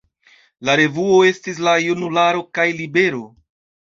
La revuoj estis "La Junularo" kaj "Libero".